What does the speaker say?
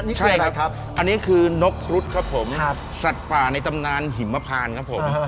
ใช่ครับอันนี้คือนกครุฑครับผมสัตว์ป่าในตำนานหิมพานครับผม